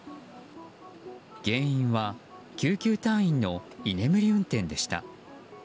原因は救急隊員の居眠り運転でした。